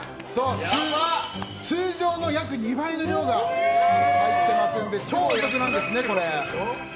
通常の約２倍の量が入ってますので超お得なんですね。